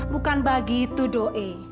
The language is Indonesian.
bukan begitu doe